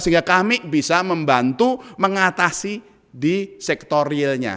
sehingga kami bisa membantu mengatasi di sektor realnya